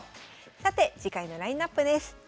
さて次回のラインナップです。